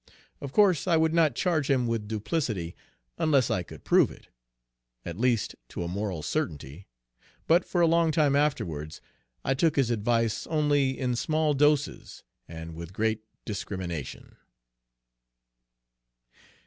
Of course I would not charge him with duplicity unless I could prove it, at least to a moral certainty, but for a long time afterwards I took his advice only in small doses and with great discrimination.